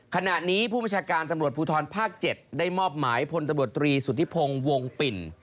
ขณะนี้ผู้บัญชาการตำรวจภูทรภาค๗ได้มอบหมายพลตำรวจตรีสุธิพงศ์วงปิ่น